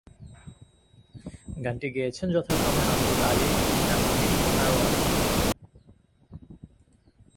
গানটি গেয়েছেন যথাক্রমে আব্দুল আলীম, নীনা হামিদ এবং আরো অনেকে।